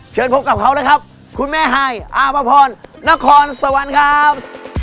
เชิญพบกับเขานะครับคุณแม่ไฮอาภพรนครสวรรค์ครับ